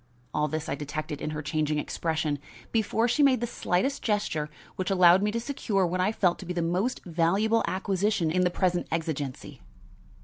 All this I detected in her changing expression, before she made the slightest gesture which allowed me to secure what I felt to be the most valuable acquisition in the present exigency.